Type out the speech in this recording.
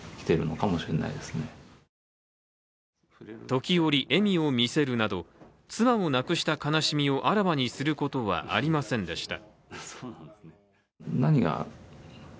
時折、笑みを見せるなど妻を亡くした悲しみをあらわにすることはありませんでした。